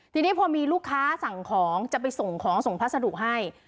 ทีนี้พอมีลูกค้าสั่งของจะไปส่งของส่งพัสดุให้